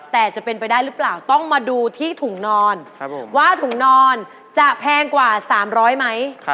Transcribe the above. แต่จะเป็นไปได้หรือเปล่าต้องมาดูที่ถุงนอนว่าถุงนอนจะแพงกว่า๓๐๐ไหม